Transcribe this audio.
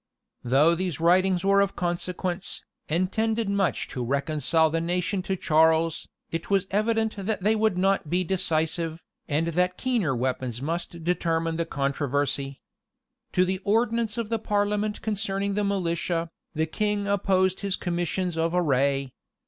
Though these writings were of consequence, and tended much to reconcile the nation to Charles, it was evident that they would not be decisive, and that keener weapons must determine the controversy. To the ordinance of the parliament concerning the militia, the king opposed his commissions of array.